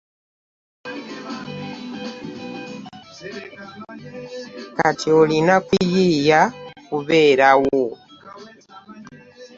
Kati olina kuyiiya okubeerawo.